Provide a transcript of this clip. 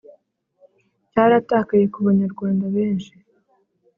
Cyaratakaye ku banyarwanda benshi